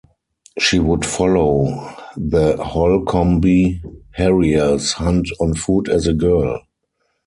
She would follow the Holcombe Harriers hunt on foot as a girl.